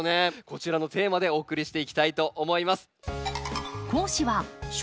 こちらのテーマでお送りしていきたいと思います。